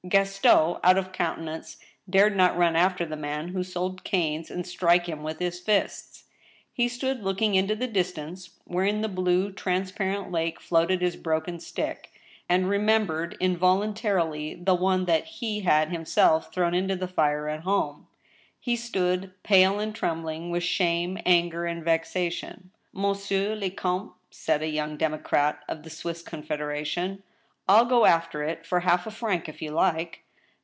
Gaston, out of counter nance, dared not run after the man who sold canes and strike him with his fists. He stood looking into the distance, where, in the blue, transparent lake floated his broken stick, and remembered, involuntarily, the one that he had himself thrown into the fire at home. He stood, pale and trembling with shame, anger, and vexa tion. " Monsieur le comte," said a young democrat of the Swiss Con federation, " ril go after it for half a franc, if you like."